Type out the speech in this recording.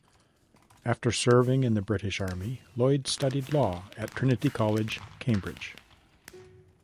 After serving in the British Army, Lloyd studied law at Trinity College, Cambridge.